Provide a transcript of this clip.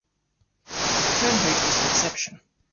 Turnhout is an exception.